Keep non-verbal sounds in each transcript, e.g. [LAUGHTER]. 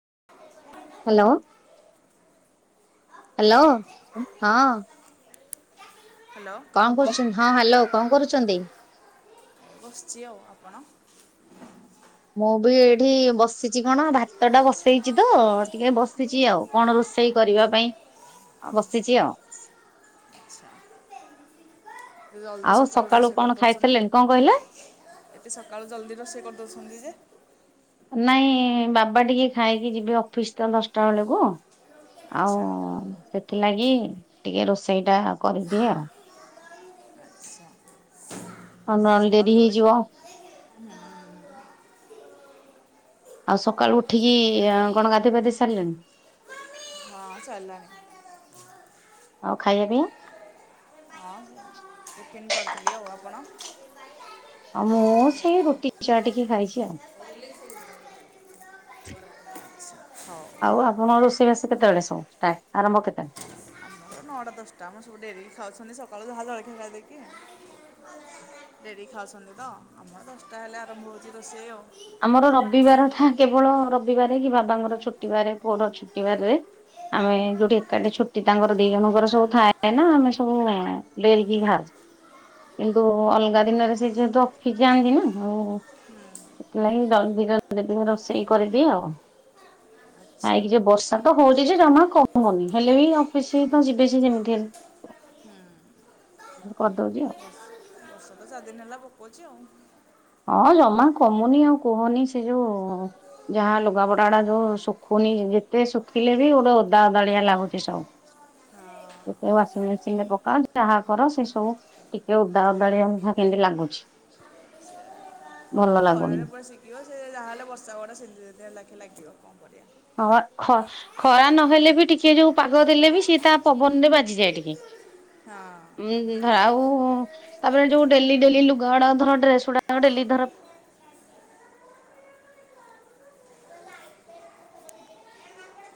[INAUDIBLE] Hello hello hello ହଁ hello କଣ କରୁଛନ୍ତି। ହଁ ହ୍ୟାଲୋ କଣ କରୁଛନ୍ତି। ବସିଛି ଆଉ ଆପଣ ମୁଁ ବି ଏଇଠି ବସିଛି କଣ ଭାତ ଟା ବସେଇଛି ତ ଟିକେ ବସିଛି ଆଉ କଣ ରୋ ରୋଷେଇ କରିବା ପାଇଁ ବସିଛି ଆଉ [INAUDIBLE] ଜଲ୍ଦି ଆଉ ସଖାଳୁ ସକାଳୁ ରୋଷେଇ କଣ କରିଦେଉଛନ୍ତି। ଖାଇସାରିଲେଣି କଣ କହିଲେ ଏତେ ସଖାଳୁ ଜଲ୍ଦୀ ରୋଷେଇ କରିଦେଉଛନ୍ତି ଜେ ନାଇଁ ବାବା ଟିକେ ଖାଇକି ଯିବେ ଅଫିସ୍ ତ ଦସ୍ ଟା ବେଳକୁ ଆଉ ଆଚ୍ଛା ସେଥିଲାଗି ଟିକେ ରୋଷେଇ ଟା ଆଚ୍ଛା ଆଉ ନହେଲେ ଡେରି ହେଇଯିବ [UNINTELLIGIBLE] ଆଉ ସକାଳୁ ଉଠିକି କଣ ଗାଧେଇ ପାଧେଇ ସାରିଲେଣି ଚାଲା ଆଉ ଖାଇବା ପାଇଁ ଓପେନ୍ କରିଥିଲି। ଆଉ ଆପଣ? ଆଉ ମୁଁ ସେ ରୁଟି ଚା ଟିକେ ଖାଇଛି। ଆଉ। ହଉ [INAUDIBLE] ଆଉ ଆପଣଙ୍କ ରୋଷେଇବାସ କେତେବେଳେ ସବୁ ଷ୍ଟାର୍ଟ ଆରମ୍ଭ କେତେବେଳେ? ଆମର ନଅଟା ଦସ୍ ଟା ଆମର ସବୁ ଡେରିରେ ଖାଉଛନ୍ତି। ସଖାଳୁ ଜାହା ଜଳିକ୍ଷିଆ ଖାଇଦେଇକି ରେଡ଼ି ଖାଉଛନ୍ତି ତ ଆମର ଆମର ଦସ୍ ଟା ହେଲେ ଆରମ୍ଭ ହୋଉଛି ରୋଷେଇ ଆଉ ଆମର ରବିବାର ଠା କେବଳ ରବିବାରେ ହି ବାବା ଙ୍କ ର ଛୁଟି ବାରେ, ପୁଅ ର ଛୁଟି ବାରେ ରେ ଆମେ ଯୋଉଠି ଏକାଠେ ଛୁଟି ତାଙ୍କ ଦି ଜଣଙ୍କର ସବୁ ଥାଏ ନା ଆମେ ସବୁ ଡେରିକି ଘାଉ କିନ୍ତୁ ଅଲଗା ଦିନରେ ସେ ଯେହେତୁ ରଫି ଯାଆନ୍ତି ନା ଆଉ [UNINTELLIGIBLE] [INAUDIBLE] ଖାଇକି ଯେ ବର୍ଷା ତ ହୋଉଛି ଯେ ଜମା ହୁଁ। କରିଦଉଛି ଆଉ। ବ କଛି ଆଉ। ହଁ ଜମା କମୁନି ଆଉ କୁହନି ସେ ଯୋଉ ଯାହା ଲୁଗା ପଟା ଡ଼ା ଯୋଉ ଶୁଖୁନି। ଯେତେ ଶୁଖିଲେ ବି ଗୋଟେ ଓଦା ଅଦଳିଆ ଲାଗୁଛି ସବୁ ହୁଁ। ଯେତେ ୱାସିଂ ମେସିନ୍ ରେ ପକା ଯାହା କର ସେ ସବୁ ଟିକେ ଓ [INAUDIBLE] ଘରରେ ପୁରା ଶିଖିବ ସେ ଯା ହେଲେ ବର୍ଷା ପରା ସୁଖିତେ ଲାଖିବ କଣ କରିବା। ହଁ ବା ଖ -ଖରା ନହେଲେ ବି ଟିକେ ଯୋଉ ପାଗ ଉଁ ଧାଉ ହଁ ତାପରେ ଯୋଉ ଡେଲି ଡେଲି ଲୁଗା ଡ଼ା ଧର ଡ୍ରେସ୍ ଗୁଡା କ ଡେଲି ଧର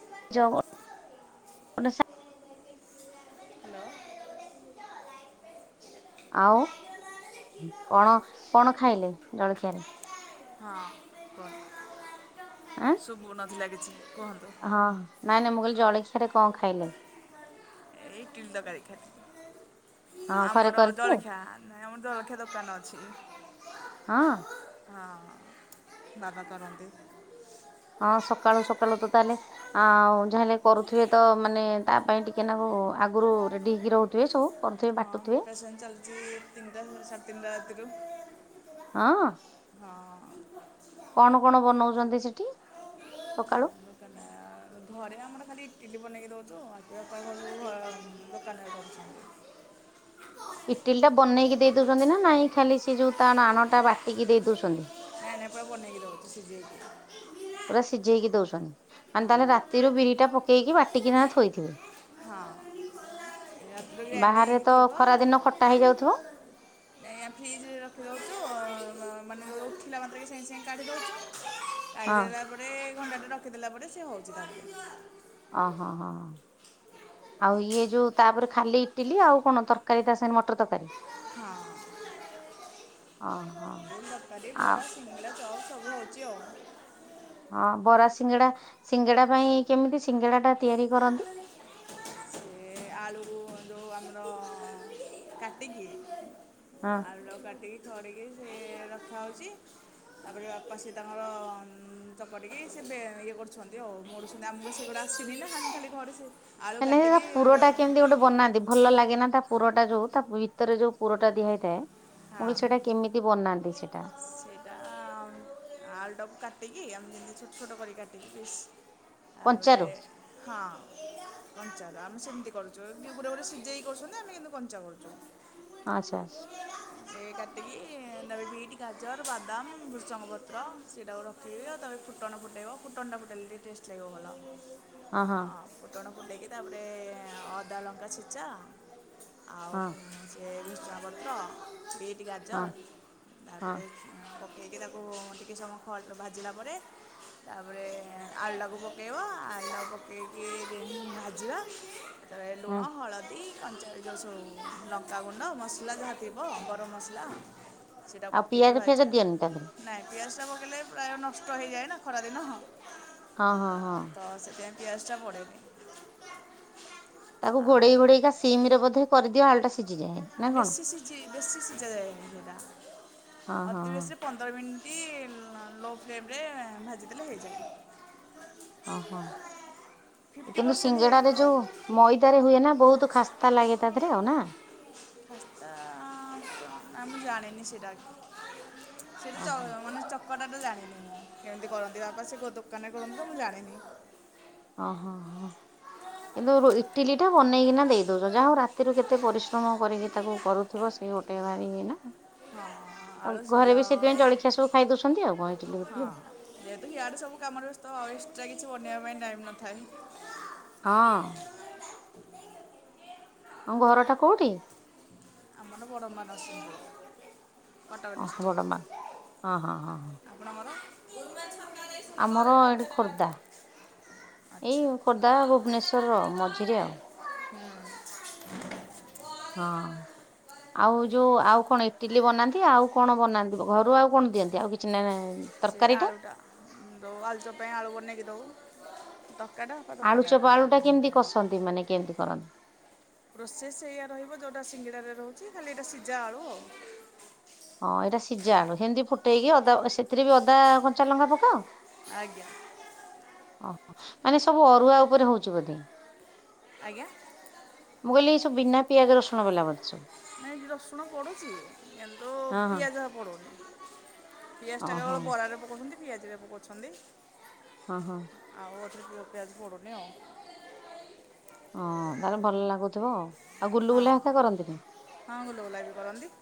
[UNINTELLIGIBLE] ହ୍ୟାଲୋ ଆଉ କଣ କଣ ଖାଇଲେ ଜଳଖିଆରେ? ହଁ କୁହ ଆଁ? ଲାଗିଛି। ହଁ ନାଇଁ ନାଇଁ ମୁଁ କହିଲି ଜଳଖିଆରେ କଣ ଖାଇଲେ? ଇଟିଲି ତରକାରି ଖାଇଲି। ହଁ ଘରେ ଆମର କରିଥିଲେ ଜଳଖିଆ ନାଇଁ ଆମର ଜଳଖିଆ ଦୋକାନ ଅଛି। ହଁ! ହଁ ବାବା କରନ୍ତି। ହଁ ସକାଳୁ ସକାଳୁ ତ ତାହେଲେ ଆଉ ଯାହାଲେ କରୁଥିବେ ତ ମାନେ ତା ପାଇଁ ଟିକେ ନାକୁ। ଆଗରୁ ରେଡି ହେଇକି ରହୁଥିବେ ସବୁ କରୁଥିବେ ପା। ହଁ ଅପ୍ରେସନ୍ ଚାଲିଛି ତିନିଟା ସାଢ଼େ ତିନିଟା ରାତିରୁ। ହଁ। ହଁ କଣ କଣ ବନାଉଛନ୍ତି ସେଠି ସକାଳୁ। ଦୋକାନ ଘରେ ଆମର ଖାଲି ଇଟିଲି ବନେଇକି ଦଉଛୁ ଆଉଣ ସବୁ ଦୋକାନରେ କରୁଛନ୍ତି। ହ ଇଟିଲି ଟା ବନେଇକି ଦେଇ ଦଉଛନ୍ତି ନା ନହିଁ ଖାଲି ସେ ଯୋଉ ତା ନାଣଟା ବାଟିକି ଦେଇ ଦଉଛନ୍ତି। ନାଇଁ ନାଇଁ ପୁରା ବନେଇକି ଦଉ ସିଜେଇକି। ପୁରା ସିଝେଇକି ଦଉଛନ୍ତି ଆ ହଁ ତାହେଲେ ରାତିରୁ ବିରି ଟା ପକେଇକି ବାଟିକି ନ ଥୋଇଥିବେ। ହଁ। ରାତିରୁ ଗ୍ରାଣ୍ଡି ବାହାରେ ହେଇକି ତ ଥିବ। ଖରା ଦିନ ଖଟା ହେଇଯାଉଥିବ ଠି ରଖିଦଉଛୁ ଅଁ। ମାନେ ଉଠିଲା ମାତ୍ରେ କେ ସାଙ୍ଗେ ସାଙ୍ଗେ କାଢ଼ିଦେଉୁଛୁ କାଢ଼ି ହଁ ଦେଲା ପରେ। ଘଣ୍ଟା ଟେ ରଖିଦେଲା ପରେ ସେ ହଉଛି ତାର। ଅ ହଁ ହଁ। ଆଉ ଇଏ ଯୋଉ ତାପରେ ଖାଲି ଇଟିଲି ଆଉ କଣ ତରକାରୀ ତାୀ ମଟର ତରକାରୀ। ହଁ। ଅ ହଁ। ତରକାରୀ ବରା ସିଙ୍ଗିଡା ଚପ୍ ସବୁ ହେଉଛି ଆଉ। ହଁ ବରା ସିଙ୍ଗଡ଼ା ସିଙ୍ଗଡ଼ା ପାଇଁ କେମିତି ସିଙ୍ଗଡ଼ାଟା ତିଆରି କରନ୍ତି। ସେ ଆଳୁ ଯେଉଁ ଆମର କାଟିକି। ହଁ ଆଳୁ ଲ କାଟିକି ଛଡେଇ ସେ ରଖା ହଉଛି। ତାପରେ ବାପା ସିଏ ତାଙ୍କର ଚକଟିକି ସେ ଇଏ କରୁଛନ୍ତି ଆଉ ମୋଡ଼ୁଛନ୍ତି ଆମକୁ ସେଗୁଡା। ସିଜିଲେ ହାଣ୍ଡି ଖାଲି ଘରେ ସେ ଆଳୁ ମାନେ ତା କାଟିକି ପୁରଟା କେମିତି ଗୋଟେ ବନାନ୍ତି ଭଲ ଲାଗେ ନା ତା ପୁରଟା ଯୋଉ ତା। ଭିତରେ ଯୋଉ ପୁରଟା ଦିଆ ହୋଇଥାଏ ମୁହ ହଁ ସେଟା କେମିତି ବନାନ୍ତି ସେଟା ସେଇଟା ଆଲୁଟାକୁ କାଟିକି। ମ ଛଟ ଛୋଟ କରି କାଟି। ତାପରେ କଞ୍ଚାରୁ ହଁ ମଞ୍ଛା ଆମ ସେ। ସେମିତି ଗୁରେ ଗୁରେ ସିଝେଇ କରୁଛନ୍ତି ଆମେ କିନ୍ତୁ କଞ୍ଚା କରୁଛୁ। ଆଚ୍ଛା। ଏ କାଟିକି ତାପରେ ଟିକେ। ଗାଜର ବାଦାମ ଭୃସଙ୍ଗପତ୍ର ସେଇଟାକୁ ରଖି ଆଉ ତାପରେ ଫୁଟନ ଫୁଟାଇବ ଫୁଟା ଫଟାଇଲେ ଟି। ଟେଷ୍ଟ। [INAUDIBLE] ହଁ ହଁ। ଫୁଣ୍ଡେଇକି ତାପରେ ଅଦା ଲଙ୍କା ଛେଚା ଆଉ ହଁ ସେ। ଭ୍ରୁସଙ୍ଗ ପତ୍ର ବିଟ୍ ଗାଜର। ହଁ ହଁ। ତାପରେ ଉଁ, ପକେଇକି ତାକୁ ଟିକେ ସମୟ ଖ ଭାଜିଲା ପରେ। ତାପରେ ଆଳୁକୁ ପକେଇବା ଆଳୁ ପକେଇକି ଟି ଭାଜିବା। ତାପରେ ଲୁଣ ହୁଁ ହଳଦୀ। କଞ୍ଚ ଯେଉଁ ସବୁ ଲଙ୍କାଗୁଣ୍ଡ ମସଲା ଯାହା ଥିବ ଗରମ ମସଲା। ସେଟା ଆଉ ପିଆଜ ପକେଇକି ଫିଆଜ ଭାଜିବା ଦିଅନି ତା ଦେହରେ ନାଇଁ ପିଆଜ ଟା ପକେଇଲେ ପ୍ରାୟ ନଷ୍ଟ ହେଇଯାଏ ନା ଖରାଦିନ। ହଁ ହଁ ହଁ। ଗ୍ୟାସ୍ ଟା ପଡେନି। ତାକୁ ଆଉ ଘୋଡେଇ ଘୋଡେଇକା ସିମ ରେ ବୋଧେ କରିଦିଅ ଆଳୁଟା ସିଝିଯାଏ ନା ବେଶ କଣ? ସିଝ ବେଶୀ ସିଝେଯାଏନି ହେଟା। ହଁ ହଁ ଅତି ହଁ ବେଶୀ ପନ୍ଦର ମିନି ମିନିଟ ଲୋ ଫ୍ଲେମେ ଭାଜିଦେଲେ ହେଇଯିବ। ଓ ହୋ। ଫିଫ୍ଟି କିନ୍ତୁ ପରସେଣ୍ଟ ହେଇଯିବ ସିଙ୍ଗଡାରେ ଆଉ ଯୋଉ ମଇଦାରେ ହୁଏ ନା ବହୁତ୍ ଖାସ୍ତା ଲାଗେ ତା ଦେହେରେ ଆଉ ନା୍ ଖାସ୍ତା ଆ ସେଟା ସେଟା ଓହୋ ଚ ମାନେ ଚକ୍ କଟା ଟା ଜାଣିନି ମୁଁ କେମିତି କରନ୍ତି ବାପା ସେ ଗୋ ଦୋକାନରେ କରନ୍ତି ତ ମୁଁ ଜାଣିନି। ଓ ହୋ ହଁ। କିନ୍ତୁ ଇଟିଲି ଟା ବନେଇକିନା ଦେଇ ଦଉଚ ଯାହା ହଉ ରାତିରୁ କେତେ ପରିଶ୍ରମ କରିକିନା ତାକୁ କରୁଥିବ। ସେ ଗୋଟେ ଭାରି ଇଏ ନା ହଁ ଆଉ ଆଳୁ ଘରେ ସିଝା ବି ସେଥିପାଇଁ ଜଳଖିଆ ସବୁ ଖାଇ ଦଉଛନ୍ତି। ଆଉ କଣ ଇଟିଲି ହଁ ଫିଟିଲି ଆଉ। ଯେହେତୁ ଇଆଡେ ସବୁ କାମରେ ବ୍ୟସ୍ତ ଏଷ୍ଟ୍ରା କିଛି ଛି ବନେଇବା ପାଇଁ ଟାଇମ ନଥାଏ। ହଁ। ଆଉ ଘର ଟା କୋଉଠି? ଆମର [UNINTELLIGIBLE] ପରଡ଼ମ୍ବରାସ। କଟକ ଓହୋ ବଡମା ଡିଷ୍ଟ୍ରିକ୍ଟ ହଁ ହଁ ହଁ ହଁ। ଆପଣଙ୍କର? ଆମର ଏଇଠି ଖୋର୍ଦ୍ଧା। ଏଇ ଆଚ୍ଛା ଖୋର୍ଦ୍ଧା ଭୁବନେଶ୍ୱରର ମଝିରେ ଆଉ। ହଁ। ଆଉ ଯୋଉ ଆଉ କଣ ଇଟିଲି ବନାନ୍ତି ଆଉ କଣ ବନାନ୍ତି ଘରୁ ଆଉ କଣ ଦିଅନ୍ତି ଆଉ କିଛି ନାହିଁ। ସେ ଆଳୁ ଟା ଯଉ ଆଳୁଚପ୍ ପାଇଁ ଆଳୁ ବନେଇକି ଦଉ। ତରକାରୀଟା ବାପା ଆଳୁ ଦୋକାନରେ ଚପ ଆଳୁ ଟା କରନ୍ତି କେମିତି କସନ୍ତି ମାନେ କେମିତି କରନ୍ତି? ପ୍ରୋସେସ୍ ଏଇଆ ରହିବ ଯୋଉଟା ସିଙ୍ଗିଡାରେ ରହୁଛି ଖାଲି ଏଇଟା ସିଝା ଆଳୁ ଆଉ। ହଁ ଏଇଟା ସିଝା ଆଳୁ ସେମିତି ଫୁଟେଇକି ଅଦା ସେଥିରେ ବି ଅଦା କଞ୍ଚା ଲଙ୍କା ପକାଅ। ଆଜ୍ଞା। ମାନେ ସବୁ ଅରୁଆ ଉପରେ ହଉଛି ବୋଧେ ଆଜ୍ଞା। ମୁଁ କହିଲି ଏଇ ବିନା ପିଆଜ ରସୁଣ ବାଲା ବୋଧେ ସବୁ। ନାଇଁ ରସୁଣ ପଡୁଛି କିନ୍ତୁ ହଁ ହଁ ପିଆଜ ପଡୁନି। ପିଆଜ ଟା ଓହୋ କେବଳ ବରା ରେ ପକଉଛନ୍ତି ପିଆଜରେ ପକଉଛନ୍ତି। ହଁ ହଁ। ପିଆଜ ପଡ଼ୁନି ଆଉ ହଁ ତାହେଲେ ଭଲ ଲାଗୁଥିବ ଆଉ। ହଁ ଗୁଲୁଗୁଲା ହେକା କରନ୍ତିନି? ହଁ ଗୁଲୁଗୁଲା ବି କରନ୍ତି।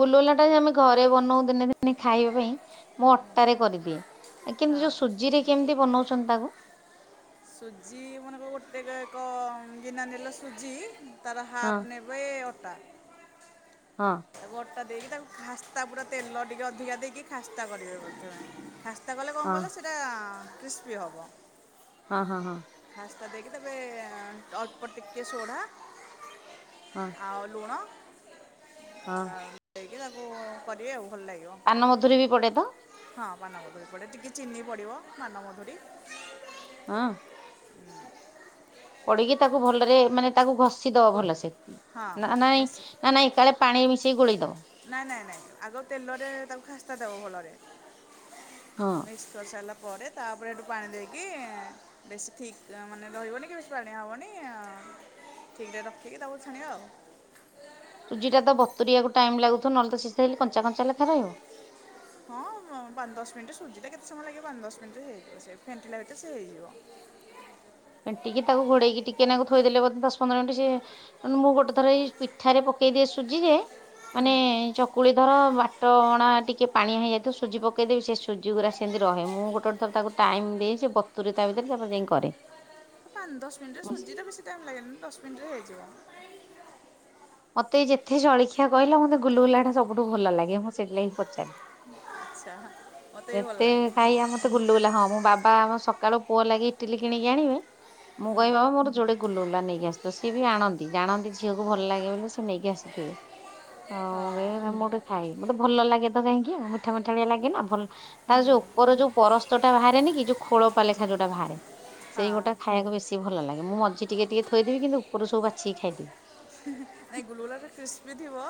ଗୁଲୁଗୁଲା ଟା ଯେ ଆମେ ଘରେ ବନଉ ଦିନେ ଦିନେ ଖାଇବା ପାଇଁ ମୁଁ ଅଟାରେ କରିଦିଏ। କିନ୍ତୁ ହଁ ଯୋଉ ସୁଜି ରେ କେମିତି ବନଉଛନ୍ତି ତାକୁ? ସୁଜି ମନେକର ଗୋଟେ ଏକ ଗିନା ନେଲ ସୁଜି ତାର ହଁ ହାପ୍ ନେବେ ଅଟା। ହଁ। ତାକୁ ଅଟା ଦେଇକି ତାକୁ ଖାସ୍ତା ପୁରା ତେଲ ଟିକେ ଅଧିକା ଦେଇକି ଖାସ୍ତା କରିବେ ଖା ତା କଲେ କଣ ହଁ କଲେ ସେଇଟା କ୍ରିସ୍ପି ହବ। ହଁ ହଁ ହଁ। ଦେଇକି ତେବେ ଅଳ୍ପ ଟିକେ ସୋଢା ହଁ ଆଉ ଲୁଣ ହଁ। ଦେଇ କି ତାକୁ କରିବେ ଆଉ। ଭଲ ଲାଗିବ ପାନ ମଧୁରୀ ବି ପଡେ ତ? ହଁ ପାନମଧୁରୀ ପଡ଼େ ଟିକେ ଚିନି ପଡ଼ିବ ପାନମଧୁରୀ। ହଁ। ହୁଁ। ପଡିକି ତାକୁ ଭଲରେ ମାନେ ତାକୁ ଘଷି ଦବ ଗୋଳ ଭଲ ସେ ହଁ ନା ନାଇଁ ବସ୍ ନା ନାଇଁ କାଳେ ପାଣି ମିଶେଇକି ଗୋଳେଇ ଦବ। ନାଇଁ ନାଇଁ ନାଇଁ ଆଗ ତେଲରେ ତାକୁ ଖାସ୍ତା ଦେବ ଭଲରେ। ହଁ। ମିସ୍କି କରିସାରିଲା ପରେ ତାପରେ ସେଠୁ ପାଣି ଦେଇକି ବେଶୀ ଥିକ୍ ମାନେ ରହିବନି କି ବେଶୀ ପାଣିଆ ହେବନି ଆ। ଠିକ ରେ ରଖିକି ତାକୁ ଛାଣିଆ ଆଉ। ସୁଜି ଟା ତ ବତୁରିଆକୁ ଟାଇମ ଲାଗୁ ଥିବ ନଏଲେ ତ ସିଏ ସେଲି କଞ୍ଚା କ ହଁ ପାଞ୍ଚ ଦଶ ମିିନିଟି ସୂଜି ଟା କେ କେତେ ସମୟ ଲାଗିବ ପାଞ୍ଚ ଦଶ ମିନିଟ ରେ ହେଇଯିବ ସେ ଫେଣ୍ଠିଲା ଭିତରେ ସେ ହେଇଯିବ। ଫେଣ୍ଟିକି ତାକୁ ଘୋଡେଇକି ଟିକେ ନାକୁ ଥୋଇଦଲେ ଦଶ ପନ୍ଦର ମିନିଟ ସେ ମୁଁ ଗୋଟେ ଥର ଏଇ ପିଠାରେ ପ ପକେଇ ଦିଏ ସୁଜିଯେ ମାନେ ଚ କୁଳି ଧର ବାଟ ଅଣା ଟିକେ ପାଣିଆ ହେଇ ଯାଇଥିବ ସୁଜି ପକେଇ ଦେବି ସେ ସୁଜି ଗୁରା ସେମିତି ରହେ ମୁଁ ଗୋଟେ ଗୋଟେ ଥର। ତାକୁ ଟାଇମ ଦେଇ ସେ ବତୁୁରେ ତା ଭିତରେ ତାପରେ ଯାଇ କରେ। ପାଞ୍ଚ ଦଶ ମିନିଟ ରେ ସୁଜି ଟା ବେଶୀ ଟାଇମ୍ ଲାଗେନି ଦଶ ମିନିଟ ରେ ହେଇଯିବ। ମତେ ଯେତେ ଜଳଖିଆ କହିଲ ମୋତେ ଗୁଲଗୁଲା ଟା ସବୁଠୁ ଭଲ ଲାଗେ ମୁଁ ସେଇଥିଲାଗି ପଚାରଲି। ଆଚ୍ଛା। ମୋତେ ବି ଭଲ ଏତେ ଲାଗେ ଖାଇଆ ମତେ ଗୁଲୁଗୁଲା ହଁ ମୁଁ ବାବା ଆମ ସକାଳୁ ପୁଅ ଲାଗି ଇଟିଲି କିଣିକି ଆଣିବେ। ମୁଁ କହିବି ବାବା ମୋର ଯୋଡେ ଗୁଲୁଗୁଲା ନେଇକି ଆସିଥିବ ସେ ବି ଆଣନ୍ତି ଜାଣନ୍ତି ଝିଅକୁ ଭଲ ଲାଗେ ବୋଲି ସେ ନେଇକି ଆସିିଥିବେ। ହ ମୁଁ ହଁ କଇବି ମୁଁ ଗୋଟେ ଖାଇବି ମତେ ଭଲ ଲାଗେ ତ କାହିଁକି ଆଉ ମିଠା ମିଠାଳିଆ ଲାଗେ ନା ଭଲ ତାର ଯୋଉ ଉପର ଯୋଉ ପରସ୍ତ ଟା ଭାରେନି କି ଯୋଉ ଖୋଳପା ଲେଖା ଯୋଉଟା ଭାରେ। ସେଇ ହଁ ଗୋଟା ଖାଇବାକୁ ବେଶୀ ଭଲ ଲାଗେ ମୁଁ ମଝି ଟିକେ ଟିକେ ଥୋଇଦେବି କିନ୍ତୁ ଉପରୁ ସବୁ ବାଛିକି ଖାଇଦେବି। ନାଇଁ ଗୁଲୁଗୁଲା ଟା କ୍ରିସ୍ପି ଥିବ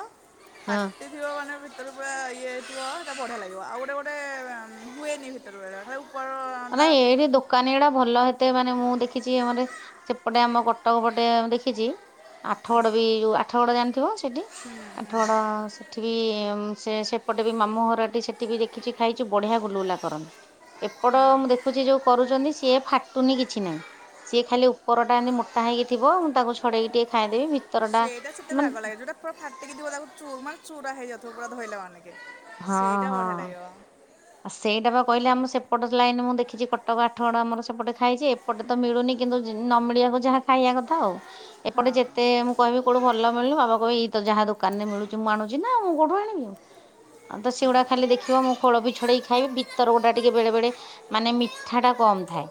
ହଁ। ଫାଟି ଥିବ ମାନେ ଭିତରେ ପୁରା ଇଏ। ଥିବ ସେଇଟା ବଢ଼ିଆ ଲାଗିବ ଆଉ ଗୋଟେ ଗୋଟେ ଏ ମ ହୁଏନି ଭିତରୁ ବେଳେ ଖାଲି ଉ ନାଇ ଏଇଠି ଦୋକାନୀ ଏଡ଼ା ଭଲ ହେ ମତେ ମାନେ ମୁଁ ଦେଖିଛି ଆମର ସେପଟେ ଆମ କଟକ ପଟେ ମୁ ଦେଖିଛି। ଆଠଗଡ ଆଜ୍ଞା। ବି ଯୋଉ ଆଠଗଡ ଜାଣିଥିବ ସେଠି ହୁଁ, ଆଠ ହୁଁ, ହଁ ଗଡ ସେଠି ବି। ସେ ସେପଟେ ବି ମାମୁଁ ଘରଟି ସେଠି ବି ଦେଖିଛି ଖାଇଛି ବଢିଆ ଗୁଲୁଗୁଲା କରନ୍ତି। ଏପଟ ମୁଁ ଦେଖୁଛି ଯୋଉ କରୁଚନ୍ତି ସିଏ ଫାଟୁନି କିଛି ନାହିଁ। ସିଏ ଖାଲି ଉପରଟା ଏମତି ମୋଟା ହେଇକି ଥିବ ମୁଁ ତାକୁ ଛଡେଇକି ଟିକେ ଖାଇଦେବି ଭିତର ଟା। ଏଟା ସେତେ ବାଗ ଲାଗେ ଯେଉଟା ପୁରା ଫାଟିକି ଥିବ ତାକୁ ଚୁର ମାନେ ଚୁରା ହେଇ ଯାଉଥିବ ପୁରା ଧଇଲେ ମାନେ। ହଁ ସେଇଟା ବଢିଆ ହଁ। ଲାଗିବ। ଆଉ ସେଇଟା ବା କହିଲି ଆମର ସେପଟ ଲାଇନ ମୁଁ ଦେଖିଛି କଟକ ଆଠଗଡ ଆମର ସେପଟେ ଖାଇଛି ଏପଟେ ତ ମିଳୁନି କି କିନ୍ତୁ ଜିନ ନ ମିଳିବାକୁ ଯାହା ଖାଇଆ କଥା ଆଉ ହଁ ଏପଟେ ଯେତେ ମୁଁ କହିବି କୋଉଠୁ ଭଲ ମିଳୁନି ବାବା। କଇଏ ଏଇ ତ ଯାହା ଦୋକାନ ରେ ମିଳୁଛି ମୁଁ ଆଣୁଛି ନା ମୁଁ କୋଉଠୁ ଆଣିବି ଆଉ। ଆଉ ତ ସେଗୁଡା ଖାଲି ଦେଖିବ ମୁ ଖୋଳ ବି ଛୁ ଡେଇ ଖାଇବି ଭିତର ଗୋଟା ଟିକେ ବେଳେ ବେଳେ ମାନେ ମିଠା ଟା କମ ଥାଏ।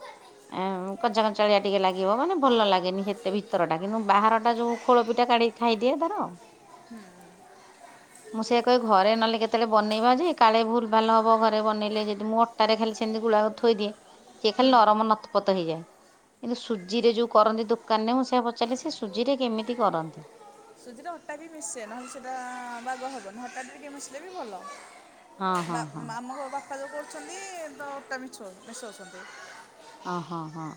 କଞ୍ଚା କଞ୍ଚାଳିଆ ଟିକେ ଲାଗିବ ମାନେ ଭଲ ଲାଗେନି ସେତେ ଭିତର ଟା କିନ୍ତୁ ବାହାରଟା ଯୋଉ ଖୋଳପିଟା। କାଢ଼ିକି ଖାଇଦିଏ ତାର। ହୁଁ। ମୁଁ ସେଆ କହେ ଘରେ ନହେଲେ କେତେବେଳେ ବନେଇବା ଯେ କାଳେ ଭୁଲ ଭାଲ ହ ବ ଘରେ ବନେଇଲେ ଯଦି ମୁଁ ଅଟାରେ ଖାଲି ସେମିତି ଗୁଳାକୁ ଥୋଇଦିଏ ସିଏ ଖାଲି ନରମ ନତପତ ହେଇଯାଏ। କିନ୍ତୁ ସୁଜିରେ ଯୋଉ କରନ୍ତି ଦୋକାନରେ ମୁଁ ସେୟା ପଚାରିଲି ସେ ସୁଜିରେ କେମିତି କରନ୍ତି। ସୁଜି ରେ ଅଟା ବି ମିଶେ ନହେଲେ ସେଇଟା ବାଗ ହବନି ଅଟା ଟିକେ ମିଶିଲେ ବି ଭଲ। ହଁ ହଁ ବା ହଁ ଆମ ବାପା ଯୋଉ କରୁଛନ୍ତି ତ ଅଟା ମିସ ମିଶଉଛନ୍ତି। ଅ ହଁ ହଁ।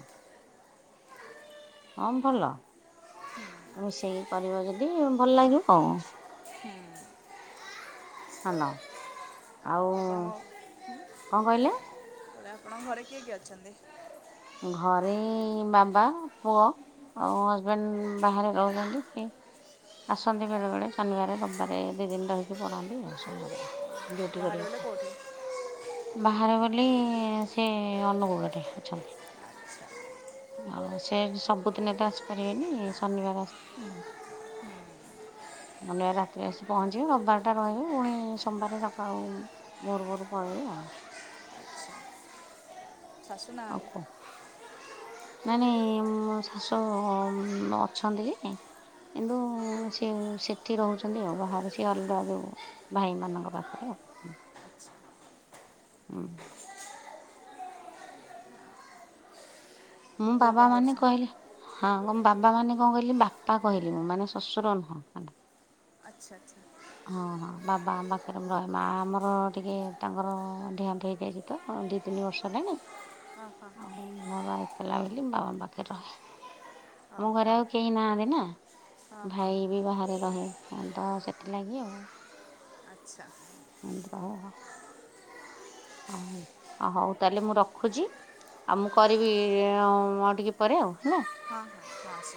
ହଁ ଭଲ। ମିଶେଇକି କରିବ ଯଦି ଭଲ ଲାଗିବ ଆଉ। ହାଲୋ ଆଉ କଁ କହିଲେ। ବୋଲେ ଆପଣଙ୍କ ଘରେ କିଏ କିଏ ଅଛନ୍ତି? ଘରେ ବାବା ପୁଅ। ଆଉ ହଜବେଣ୍ଡ ବାହାରେ ରହୁଛନ୍ତି ସିଏ। ଆସନ୍ତି ବେଳେ ବେଳେ ଶନିବାରେ ରବିବାରେ ଦି ଦିନ ରହିକି ପଳାନ୍ତି ଆଉ ସୋମବାରେ ଡ୍ୟୁଟି ବାହାରେ ବୋଲେ କରିବାକୁ। କେଉଁଠି ବାହାରେ ବୋଲି ସେ ଅନୁଗୁଳରେ ଅଛନ୍ତି। ଆ [UNINTELLIGIBLE] ଆଉ ସେ ସବୁଦିନ ତ ଆସିପାରିବେନି ଶନିବାର ଆସନ୍ତି ଆଉ। ମାନେ ରାତିରେ ଆସି ପହଞ୍ଚିବେ ରବିବାରଟା ରହିବେ ପୁଣି ସୋମବାର ସଖାଳୁ ଭୋରୁ ଭୋରୁ ପଳେଇବେ ଆଉ। ଆଚ୍ଛା [UNINTELLIGIBLE] ଶାଶୁ ନାହାନ୍ତି। ନାଇ ନାଇଁ ମୋ ଶାଶୁ ଅଛନ୍ତି ଯେ କିନ୍ତୁ ସେ ସେଠି ରହୁଛନ୍ତି ଆଉ ବାହାରେ ସିଏ ଅଲଗା ଭାଇ ମାନଙ୍କ ପାଖରେ। ଆଚ୍ଛା। ହୁ। ମୁଁ ପୁଅ ବାବା କ'ଣ ମାନେ କରୁଛନ୍ତି କହିଲେ। ହଁ କଣ ବାବା ମାନେ କଣ କହିଲି ବାପା କହିଲି ମୁଁ ମାନେ ଶ୍ୱଶୁର ନୁହଁ। ଆଚ୍ଛା ଆଚ୍ଛା ହଁ ହଁ ବାବା। ପାଖରେ ରହେ ମା ଆମର ଟିକେ ତାଙ୍କର ଦେହାନ୍ତ ହେଇଯାଇଛି ତ ଦି ତିନି ବର୍ଷ ହେଲାଣି ହଁ ହଁ ଆଉ ବାବା ଏକଲା ବୋଲିି ବାବାଙ୍କ ପାଖରେ ରହେ। ହଁ ଆମ ଘରେ ଆଉ ହଁ କେହି ନାହାନ୍ତି ନା ହଁ ହଁ ଭାଇ ବି ବାହାରେ ରହେ। ତ ସେଥିଲାଗି ଆଉ। ଆଚ୍ଛା ହ ହଉ ତାହେଲେ ମୁଁ ରଖୁଛି। ଆଉ ମୁଁ କରିବି ଆଉ ଟିକେ ପରେ ଆଉ ହେଲା। [INAUDIBLE] ହଁ ହଁ ହ ସ